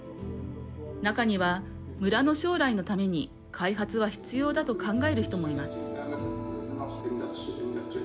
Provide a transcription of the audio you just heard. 中には、村の将来のために開発は必要だと考える人もいます。